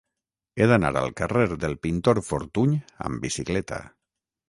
He d'anar al carrer del Pintor Fortuny amb bicicleta.